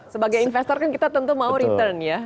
sebagai investor kan kita tentu mau return ya